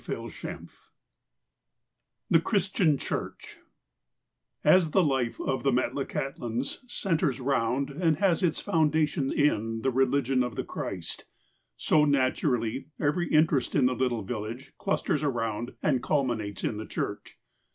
XLI THE "CHRISTIAN CHURCH" AS the life of the Metlakahtlaus centres round, and has its foundation in, the religion of the Christ, so, naturally, every interest in the little village clusters around, and culminates in the church.